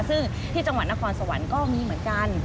ซึ่งที่จังหวัดนครสวรรค์ก็มีเหมือนกัน